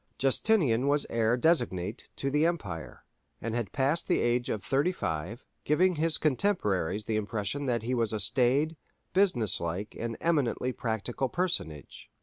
Justinian was heir designate to the empire, and had passed the age of thirty five, giving his contemporaries the impression that he was a staid, business like, and eminently practical personage.